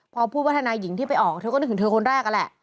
พอพูดว่าทนายหญิงที่ไปออกเธอก็นึกถึงเธอคนแรกนั่นแหละ